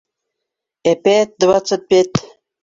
Әпәт двадцать пять!